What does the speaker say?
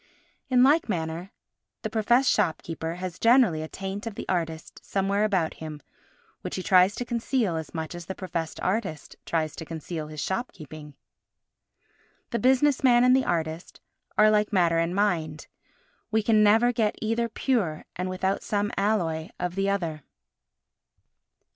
In like manner, the professed shopkeeper has generally a taint of the artist somewhere about him which he tries to conceal as much as the professed artist tries to conceal his shopkeeping. The business man and the artist are like matter and mind. We can never get either pure and without some alloy of the other.